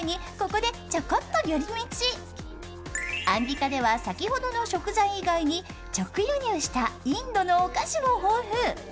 アンビカでは先ほどの食材以外に直輸入したインドのお菓子も豊富。